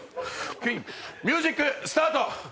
ミュージックスタート！